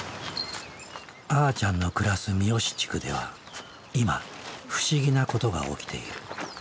あーちゃんの暮らす三義地区では今不思議なことが起きている。